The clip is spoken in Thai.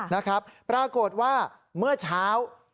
นะครับปรากฏว่าเมื่อเช้า